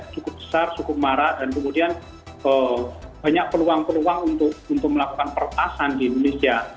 cukup besar cukup marak dan kemudian banyak peluang peluang untuk melakukan peretasan di indonesia